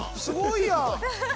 すごいやん！